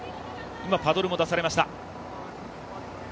今、パドルも出されました。